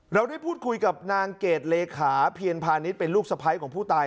เราได้พูดคุยกับนางเกดเลขาเพียรพาณิชย์เป็นลูกสะพ้ายของผู้ตาย